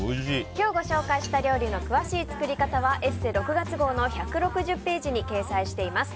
今日ご紹介した料理の詳しい作り方は「ＥＳＳＥ」６月号の１６０ページに掲載しています。